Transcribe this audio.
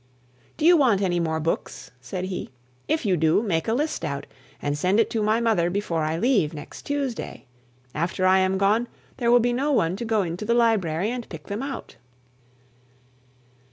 "Do you want any more books?" said he. "If you do, make a list out, and send it to my mother before I leave, next Tuesday. After I am gone, there will be no one to go into the library and pick them out."